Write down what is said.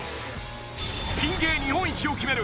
ピン芸日本一を決める